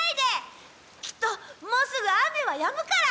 きっともうすぐ雨はやむから！